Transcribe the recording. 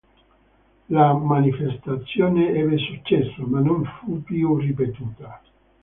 La manifestazione ebbe successo, ma non fu più ripetuta.